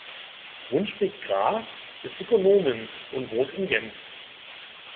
Brunschwig Graf ist Ökonomin und wohnt in Genf.